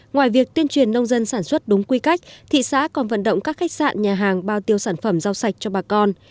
ngoài việc tuyên truyền nông dân sản xuất đúng quy cách thị xã còn vận động các khách sạn nhà hàng bao tiêu sản phẩm rau sạch cho bà con